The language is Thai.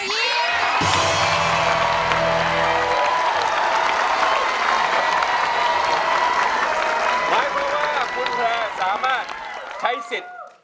หมายความว่าคุณแพร่สามารถใช้สิทธิ์